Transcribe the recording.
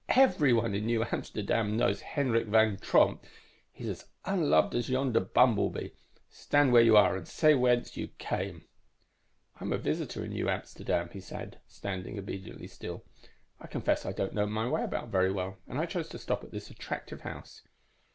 "Everyone in New Amsterdam knows Henrik Van Tromp. He's as unloved as yonder bumblebee. Stand where you are and say whence you came."_ _"I am a visitor in New Amsterdam," he said, standing obediently still. "I confess I don't know my way about very well, and I chose to stop at this attractive home."